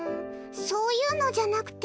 そういうのじゃなくて。